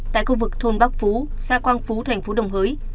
tại khu vực thôn bắc phú xã quang phú tp đồng hới